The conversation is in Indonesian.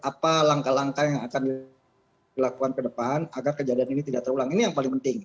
apa langkah langkah yang akan dilakukan ke depan agar kejadian ini tidak terulang ini yang paling penting